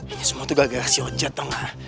ini semua tuh gagal si ojat tau gak